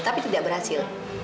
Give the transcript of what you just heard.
tapi tidak berhasil